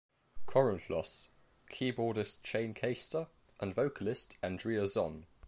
Corenflos; keyboardist Shane Keister, and vocalist Andrea Zonn.